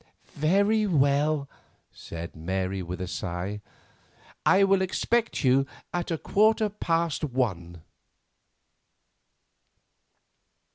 very well," said Mary with a sigh; "I will expect you at a quarter past one."